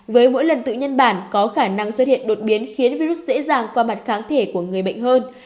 với mỗi lần tự nhân bản có khả năng xuất hiện đột biến khiến virus dễ dàng qua mặt kháng thể của người bệnh hơn